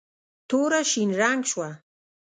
توره شین رنګ شوه.